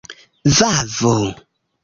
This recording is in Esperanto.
vavo